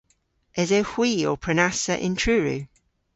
Esewgh hwi ow prenassa yn Truru?